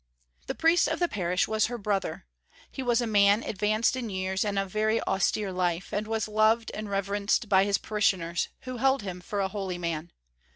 The priest of the parish was her brother; he was a man advanced in years and of very austere life, and was loved and reverenced by his parishioners, who held him for a holy man.